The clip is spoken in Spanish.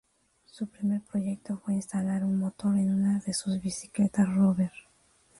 Su primer proyecto fue instalar un motor en una de sus bicicletas Rover.